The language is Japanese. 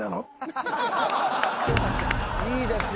いいですよ。